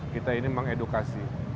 kita ini mengedukasi